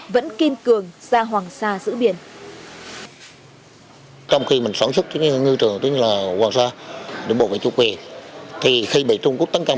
vẫn kiên cường ra hoàng sa giữ biển